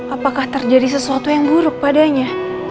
apakah terjadi sesuatu yang buruk padanya